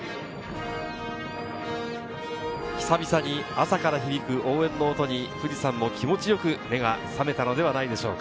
久々に朝から響く応援の音に富士山も気持ちよく目が覚めたのではないでしょうか。